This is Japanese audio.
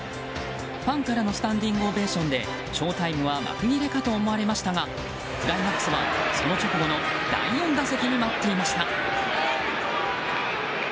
ファンからのスタンディングオベーションでショウタイムは幕切れかと思いましたがクライマックスはその直後の第４打席に待っていました。